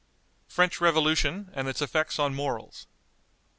French Revolution, and its effects on Morals.